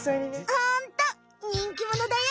ホントにんきものだよ。